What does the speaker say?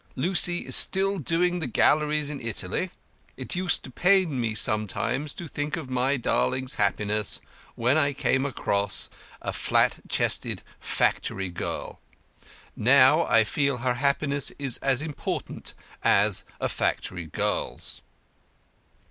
Lucy is still doing the galleries in Italy. It used to pain me sometimes to think of my darling's happiness when I came across a flat chested factory girl. Now I feel her happiness is as important as a factory girl's."